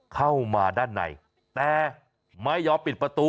เข้ามาด้านในแต่ไม่ยอมปิดประตู